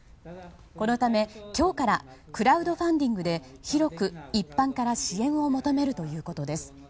このため、今日からクラウドファンディングで広く一般から支援を求めるということです。